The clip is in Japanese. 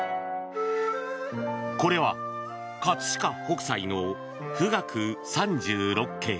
これは葛飾北斎の「富嶽三十六景」。